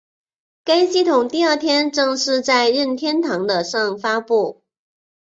该系统第二天正式在任天堂的上发布。